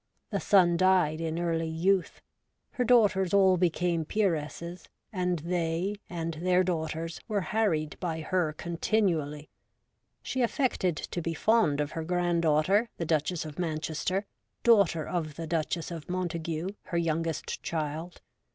The son died in early youth ; her daughters all became peeresses, and they and their daughters were harried by her continually. She affected to be fond of her granddaughter, the Duchess of Manchester, daughter of the Duchess of Montagu, her youngest child.